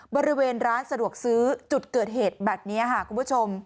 บริเวณร้านสะดวกซื้อจุดเกิดเหตุแบบนี้ค่ะคุณผู้ชม